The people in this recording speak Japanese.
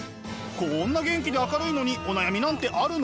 こんな元気で明るいのにお悩みなんてあるの？